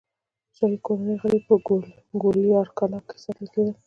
د شاهي کورنۍ غړي په ګوالیار کلا کې ساتل کېدل.